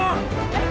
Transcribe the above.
えっ？